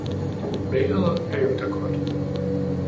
Vejret er jo da godt